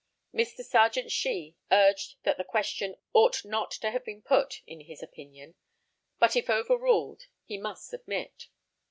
Mr. Serjeant SHEE urged that the question ought not to have been put, in his opinion; but if over ruled, he must submit.